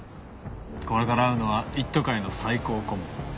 これから会うのは一途会の最高顧問。